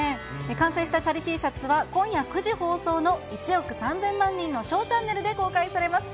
完成したチャリＴシャツは今夜９時放送の１億３０００万人のＳＨＯＷチャンネルで公開されます。